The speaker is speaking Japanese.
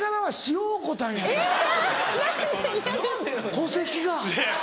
戸籍が。